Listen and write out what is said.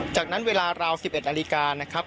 จากนั้นเวลาราว๑๑อนะครับ